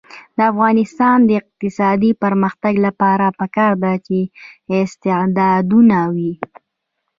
د افغانستان د اقتصادي پرمختګ لپاره پکار ده چې استعدادونه وي.